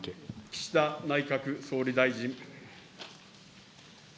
岸田内閣総理大臣。